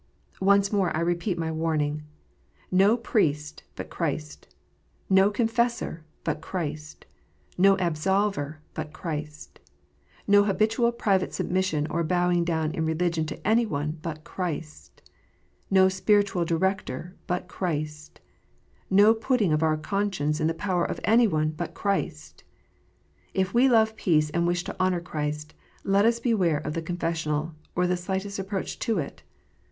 Once more I repeat my warning. No priest but Christ ! ]S T o confessor but Christ ! No absolver but Christ ! No habitual private submission or bowing down in religion to any one but Christ ! No spiritual director but Christ ! No putting of our conscience in the power of any one but Christ ! If we love peace and wish to honour Christ, let us beware of the confessional, or the slightest approach to it.